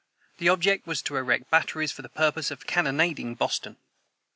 The object was to erect batteries for the purpose of cannonading Boston.